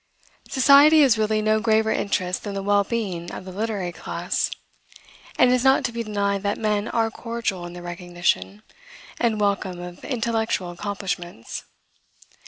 Society has really no graver interest than the well being of the literary class. And it is not to be denied that men are cordial in their recognition and welcome of intellectual accomplishments.